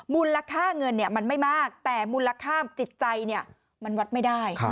มูลค่าเงินมันไม่มากแต่มูลค่าจิตใจมันวัดไม่ได้